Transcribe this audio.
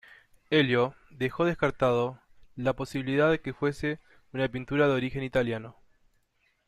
Ello dejó descartada la posibilidad de que fuese una pintura de origen italiano.